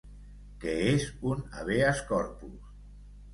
Què és un ‘habeas corpus’?